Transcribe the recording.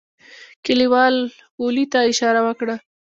کليوال غولي ته اشاره وکړه.